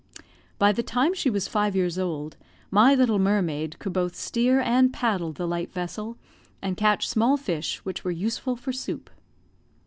By the time she was five years old, my little mermaid could both steer and paddle the light vessel, and catch small fish, which were useful for soup.